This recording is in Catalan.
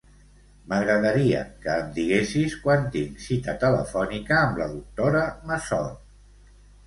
M'agradaria que em diguessis quan tinc cita telefònica amb la doctora Massot.